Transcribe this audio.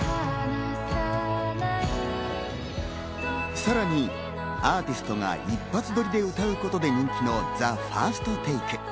さらにアーティストが一発録りで歌うことで人気のＴＨＥＦＩＲＳＴＴＡＫＥ。